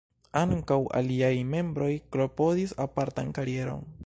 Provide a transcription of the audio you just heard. Ankaŭ aliaj membroj klopodis apartan karieron.